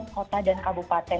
kota dan kabupaten